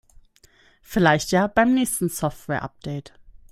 Vielleicht ja beim nächsten Softwareupdate.